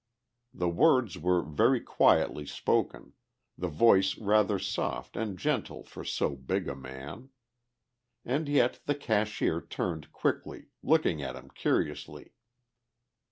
The words were very quietly spoken, the voice rather soft and gentle for so big a man. And yet the cashier turned quickly, looking at him curiously.